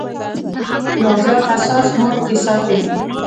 يا زيات حساس موډ کښې ساتي -